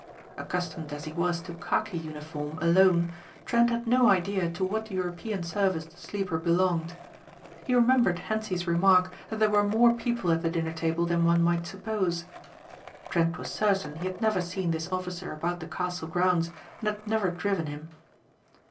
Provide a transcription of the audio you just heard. Accustomed as he was to khaki uniform alone Trent had no idea to what European service the sleeper belonged. He remembered Hentzi's remark that there were more people at the dinner table than one might suppose. Trent was certain he had never seen this officer about the castle grounds and had never driven him.